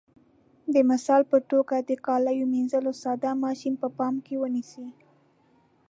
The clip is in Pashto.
د مثال په توګه د کالیو منځلو ساده ماشین په پام کې ونیسئ.